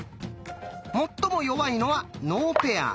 最も弱いのは「ノーペア」。